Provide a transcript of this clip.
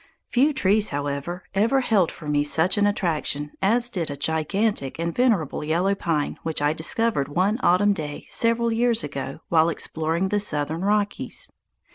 Few trees, however, ever held for me such an attraction as did a gigantic and venerable yellow pine which I discovered one autumn day several years ago while exploring the southern Rockies.